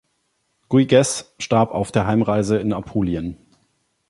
Guigues starb auf der Heimreise in Apulien.